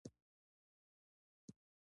افغانستان له هوا ډک دی.